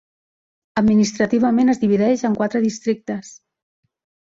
Administrativament es divideix en quatre districtes.